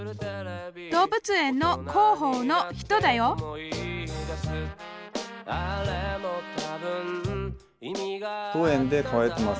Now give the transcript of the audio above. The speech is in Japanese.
動物園の広報の人だよ当園で飼われてます